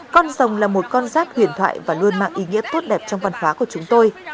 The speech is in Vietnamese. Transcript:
con rồng là một con giáp huyền thoại và luôn mang ý nghĩa tốt đẹp trong văn hóa của chúng tôi